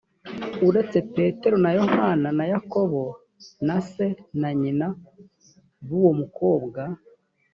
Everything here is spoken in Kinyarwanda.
uretse petero na yohana na yakobo na se na nyina b uwo mukobwa